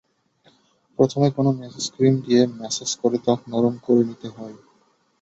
প্রথমে কোনো massage cream দিয়ে ম্যাসাজ করে ত্বক নরম নিতে হবে।